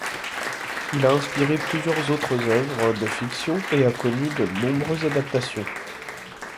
Il a inspiré plusieurs autres œuvres de fiction et a connu de nombreuses adaptations.